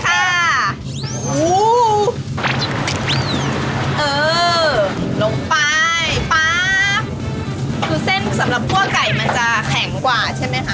เออลงไปป๊าบคือเส้นสำหรับคั่วไก่มันจะแข็งกว่าใช่ไหมคะ